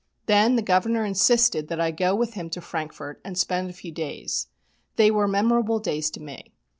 Then the Governor insisted that I go with him to Frankfort and spend a few days. They were memorable days to me.